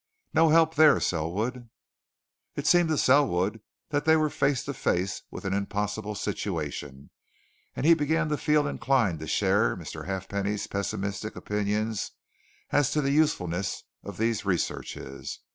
No help there, Selwood." It seemed to Selwood that they were face to face with an impossible situation, and he began to feel inclined to share Mr. Halfpenny's pessimistic opinions as to the usefulness of these researches.